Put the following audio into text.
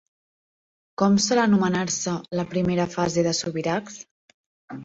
Com sol anomenar-se la primera fase de Subirachs?